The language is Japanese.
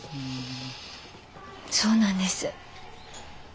そうなんです。